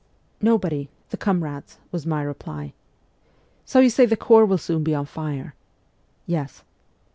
' Nobody the comrades,' was my reply. ' So you say the Corps will SIBERIA 189 soon be on fire ?'' Yes.'